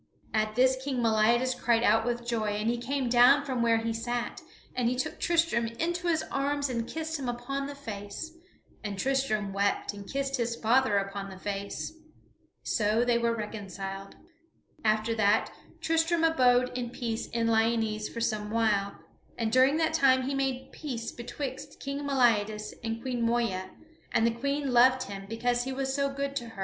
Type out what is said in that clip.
At this King Meliadus cried out with joy, and he came down from where he sat and he took Tristram into his arms and kissed him upon the face, and Tristram wept and kissed his father upon the face. So they were reconciled. After that, Tristram abode in peace in Lyonesse for some while, and during that time he made peace betwixt King Meliadus and Queen Moeya, and the Queen loved him because he was so good to her.